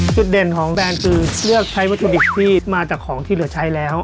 จุดเด่นของแบรนด์คือเลือกใช้วัตถุดิบที่มาจากของที่เหลือใช้แล้ว